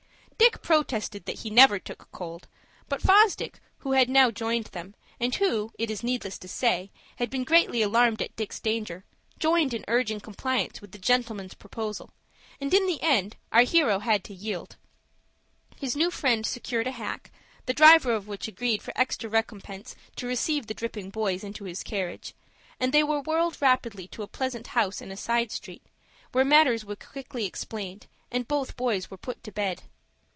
Dick protested that he never took cold; but Fosdick, who had now joined them, and who, it is needless to say, had been greatly alarmed at Dick's danger, joined in urging compliance with the gentleman's proposal, and in the end our hero had to yield. His new friend secured a hack, the driver of which agreed for extra recompense to receive the dripping boys into his carriage, and they were whirled rapidly to a pleasant house in a side street, where matters were quickly explained, and both boys were put to bed.